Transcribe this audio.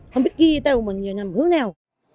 không biết ghi tàu mình giờ nằm hướng nào